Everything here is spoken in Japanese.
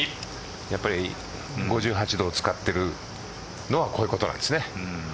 やっぱり５８度を使っているのはこういうことなんですね。